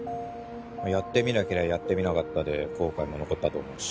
やってみなけりゃやってみなかったで後悔も残ったと思うし。